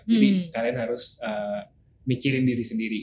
jadi kalian harus mikirin diri sendiri gitu